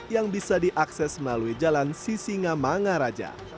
yang bisa diakses melalui jalan sisinga mangaraja